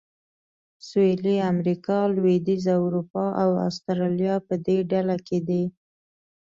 سویلي امریکا، لوېدیځه اروپا او اسټرالیا په دې ډله کې دي.